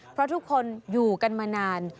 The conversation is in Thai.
เพราะทุกคนอยู่กันมานาน